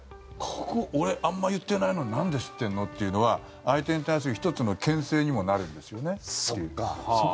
ここ、俺あんま言ってないのになんで知ってんのというのは相手に対する１つのけん制にもなるんですよね。